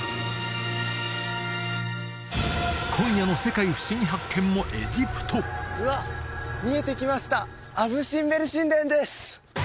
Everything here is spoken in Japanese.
今夜の「世界ふしぎ発見！」もエジプトうわっ見えてきましたアブ・シンベル神殿です